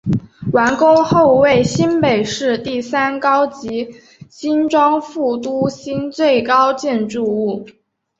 完工后为新北市第三高及新庄副都心最高建筑物。